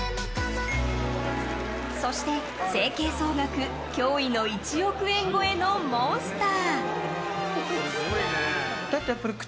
そして、整形総額驚異の１億円超えのモンスター。